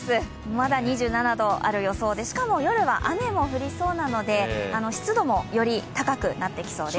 まだ２７度ある予想で、しかも夜は雨も降りそうなので湿度もより高くなってきそうです。